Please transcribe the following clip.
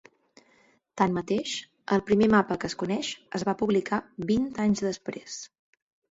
Tanmateix, el primer mapa que es coneix es va publicar vint anys després.